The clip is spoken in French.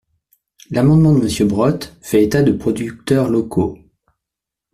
L’amendement de Monsieur Brottes fait état de producteurs locaux.